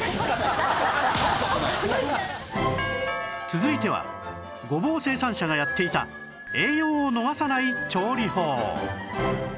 続いてはごぼう生産者がやっていた栄養を逃さない調理法